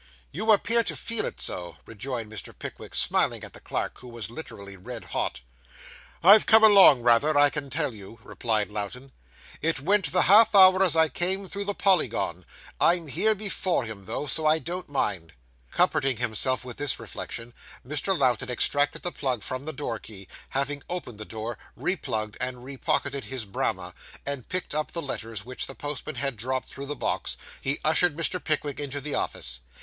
'You appear to feel it so,' rejoined Mr. Pickwick, smiling at the clerk, who was literally red hot. 'I've come along, rather, I can tell you,' replied Lowten. 'It went the half hour as I came through the Polygon. I'm here before him, though, so I don't mind.' Comforting himself with this reflection, Mr. Lowten extracted the plug from the door key; having opened the door, replugged and repocketed his Bramah, and picked up the letters which the postman had dropped through the box, he ushered Mr. Pickwick into the office.